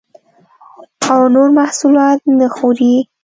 او نور محصولات نه خوري